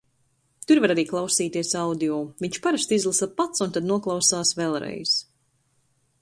Tur var arī klausīties audio. Viņš parasti izlasa pats un tad noklausās vēlreiz.